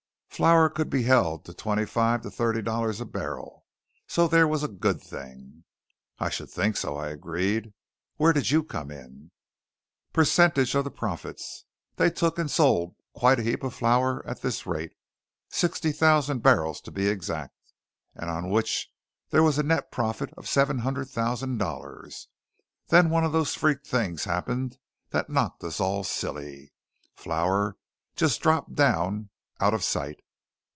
Flour could be held to twenty five to thirty dollars a barrel; so there was a good thing." "I should think so," I agreed. "Where did you come in?" "Percentage of the profits. They took and sold quite a heap of flour at this rate sixty thousand barrels to be exact on which there was a net profit of seven hundred thousand dollars. Then one of those freak things happened that knocked us all silly. Flour just dropped down out of sight.